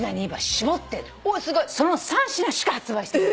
その３品しか発売してない。